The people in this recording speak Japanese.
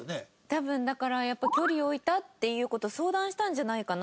多分だからやっぱ距離置いたっていう事相談したんじゃないかな？